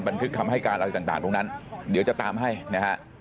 บันทึกคำให้การอะไรต่างตรงนั้นเดี๋ยวจะตามให้นะฮะ